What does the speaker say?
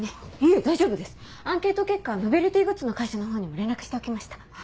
いえ大丈夫ですアンケート結果はノベルティグッズの会社のほうにも連絡しておきました。